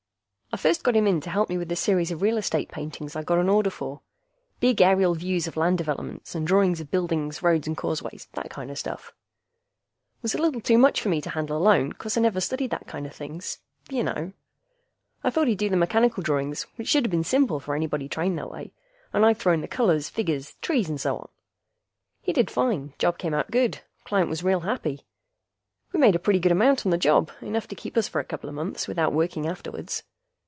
I first got him in to help me with a series of real estate paintings I'd got an order for. Big aerial views of land developments, and drawings of buildings, roads and causeways, that kinda stuff. Was a little too much for me to handle alone, 'cause I never studied that kinda things, ya know. I thought he'd do the mechanical drawings, which shoulda been simple for anybody trained that way, and I'd throw in the colors, figures and trees and so on. He did fine. Job came out good; client was real happy. We made a pretty good amount on the job, enough to keep us for a coupla months without working afterwards.